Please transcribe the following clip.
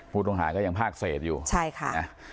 ผู้ต้องหาก็ยังภาคเศษอยู่ใช่ค่ะนะ